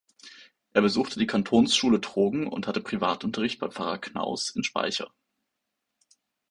Er besuchte die Kantonsschule Trogen und hatte Privatunterricht bei Pfarrer Knaus in Speicher.